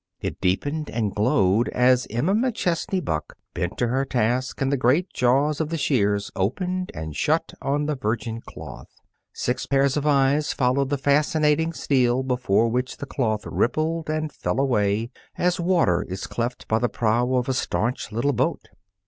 It deepened and glowed as Emma McChesney Buck bent to her task and the great jaws of the shears opened and shut on the virgin cloth. Six pairs of eyes followed the fascinating steel before which the cloth rippled and fell away, as water is cleft by the prow of a stanch little boat.